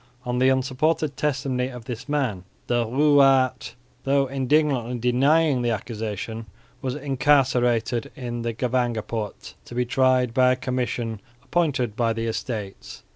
On the unsupported testimony of this man, the Ruwaard, though indignantly denying the accusation, was incarcerated in the Gevangenpoort, to be tried by a commission appointed by the Estates.